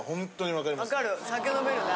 わかる酒飲めるな。